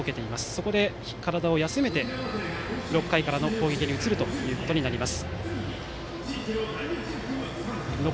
そこで体を休めて６回からの攻撃に移ります。